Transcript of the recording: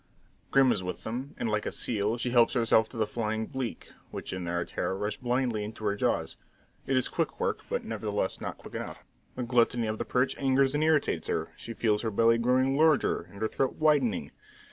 Grim is with them, and like a seal she helps herself to the flying bleak which in their terror rush blindly into her jaws. It is quick work, but nevertheless not quick enough. The gluttony of the perch angers and irritates her; she feels her belly growing larger, and her throat widening.